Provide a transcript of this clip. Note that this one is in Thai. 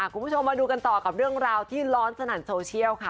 คุณผู้ชมมาดูกันต่อกับเรื่องราวที่ร้อนสนั่นโซเชียลค่ะ